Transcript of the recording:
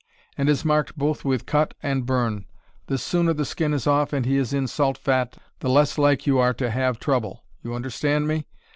] and is marked both with cut and birn the sooner the skin is off, and he is in saultfat, the less like you are to have trouble you understand me?